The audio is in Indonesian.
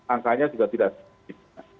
angkanya juga tidak sedikit